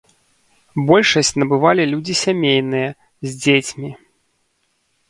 Большасць набывалі людзі сямейныя, з дзецьмі.